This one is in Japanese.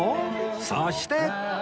そして